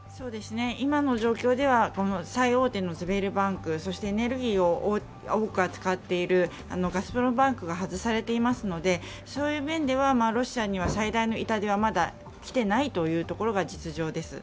今の状況では、最大手のズベルバンク、そしてエネルギーを多く扱っているガスプロムバンクが外されていますので、そういう面ではロシアには最大の痛手はまだ来ていないというのが実情です。